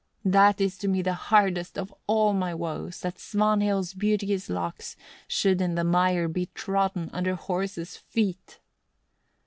That is to me the hardest of all my woes, that Svanhild's beauteous locks should in the mire be trodden under horses' feet.